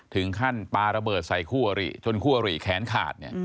ถึงขั้นปลาระเบิดใส่คู่อริจนคู่อริแขนขาด